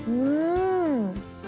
うん。